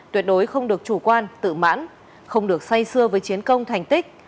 tuyệt đối không được chủ quan tự mãn không được say xưa với chiến công thành tích